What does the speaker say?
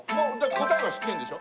答えは知ってるんでしょ？